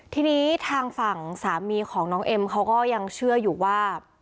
ทีนี้ทางฝั่งสามีของน้องเอ็มเขาก็ยังเชื่ออยู่ว่า